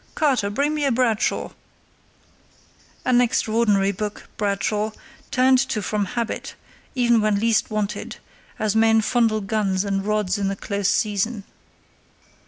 Carter, bring me a Bradshaw"—(an extraordinary book, Bradshaw, turned to from habit, even when least wanted, as men fondle guns and rods in the close season).